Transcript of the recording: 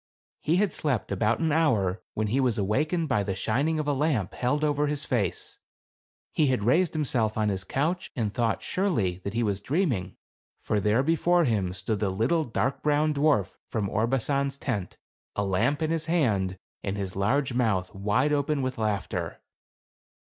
He had slept about an hour, when he was awakened by the shining of a lamp held over his face. He had raised himself on his couch and thought, surely, that he was dreaming ; for there before him stood the little dark brown dwarf from Orbasan's tent, a lamp in his hand, and his large mouth wide open with laughter.